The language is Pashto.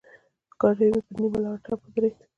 ګاډی مې پر نيمه لاره ټپ ودرېد.